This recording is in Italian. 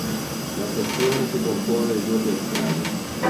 La stazione si compone di due piazzali.